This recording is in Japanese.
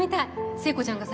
聖子ちゃんがさ